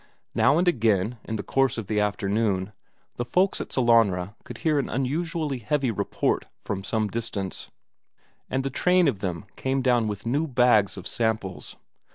Now and again in the course of the afternoon, the folks at Sellanraa could hear an unusually heavy report from the distance, and the train of them came down with new bags of samples.